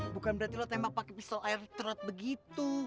bukan berarti lo tembak pake pistol air trot begitu